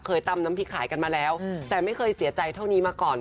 ตำน้ำพริกขายกันมาแล้วแต่ไม่เคยเสียใจเท่านี้มาก่อน